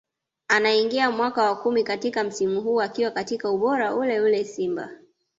Anaingia mwaka wa kumi katika msimu huu akiwa katika ubora ule ule Simba